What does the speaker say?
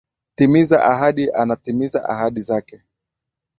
Timiza ahadi anatimiza ahadi zake.